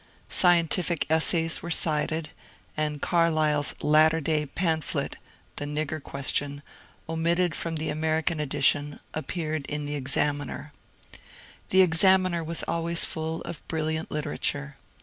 Scientific essays were cited, and Carlyle's latter day pamphlet, ^^ The Nigger Question," omitted from the American edition, appeared in the ^^ Examiner." The ^' Examiner " was always full of brilliant literature.